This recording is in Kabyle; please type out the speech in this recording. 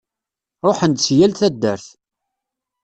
Ṛuḥen-d si yal taddart.